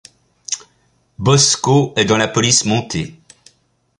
Bosko est dans la police montée.